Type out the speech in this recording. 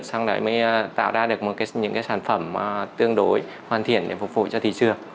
xong đấy mới tạo ra được một cái sản phẩm tương đối hoàn thiện để phục vụ cho thị trường